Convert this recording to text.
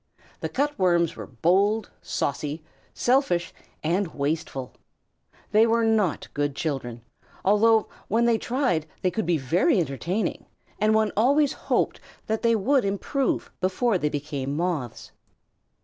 The Cut Worms were bold, saucy, selfish, and wasteful. They were not good children, although when they tried they could be very entertaining, and one always hoped that they would improve before they became Moths.